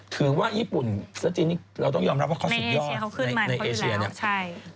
ถือว่าญี่ปุ่นเสื้อจีนนี้เราต้องยอมรับว่าเขาสุดยอดในเอเชียเนี่ย